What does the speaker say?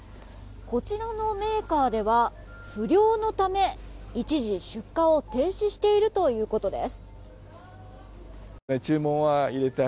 こちらのメーカーでは不漁のため一時出荷を停止しているということです。